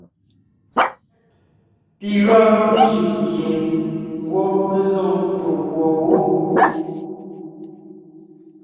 Pi gɔɔn jʉʼ gie ngwɔ́ mé zôŋ meguɔ wó.